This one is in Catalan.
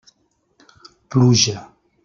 Pluja.